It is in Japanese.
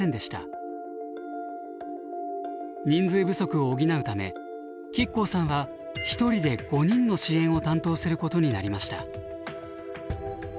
人数不足を補うため亀甲さんは１人で５人の支援を担当することになりました。